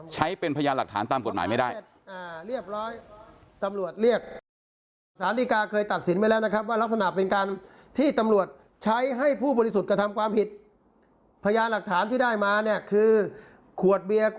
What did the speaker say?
ใช้เป็นพยานหลักฐานตามกฎหมายไม่ได้